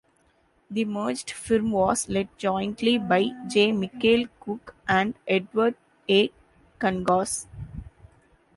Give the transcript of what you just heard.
The merged firm was led jointly by J. Michael Cook and Edward A. Kangas.